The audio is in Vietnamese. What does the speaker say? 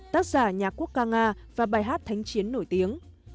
tác giả nhạc quốc ca nga và bài hát thanh niên